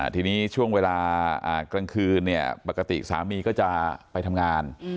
ทีนี้ช่วงเวลากลางคืนปกติสามีก็จะไปทำงาน